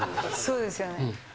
そうですよね。